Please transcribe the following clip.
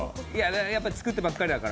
やっぱり作ってばっかりだから。